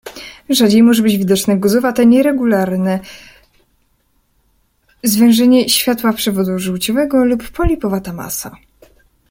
Rzadziej może być widoczne guzowate, nieregularne zwężenia światła przewodu żółciowego lub polipowata masa.